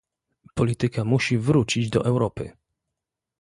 Polityka musi wrócić do Europy!